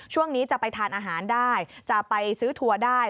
ช่วงนี้จะไปทานอาหารได้จะไปซื้อทัวร์ได้